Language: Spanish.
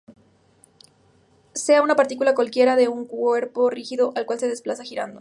Sea una partícula cualquiera de un cuerpo rígido el cual se desplaza girando.